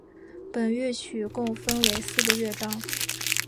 本乐曲共分为四个乐章。